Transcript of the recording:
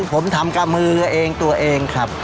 ผมทำกับมือเองตัวเองครับ